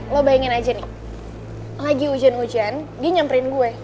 lo bayangin aja nih lagi hujan hujan dia nyamperin gue